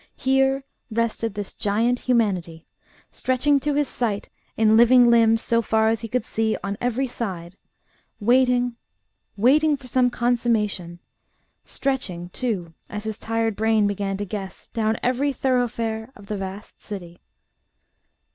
Here rested this giant humanity, stretching to his sight in living limbs so far as he could see on every side, waiting, waiting for some consummation stretching, too, as his tired brain began to guess, down every thoroughfare of the vast city.